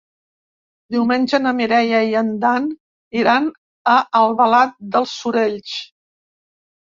Diumenge na Mireia i en Dan iran a Albalat dels Sorells.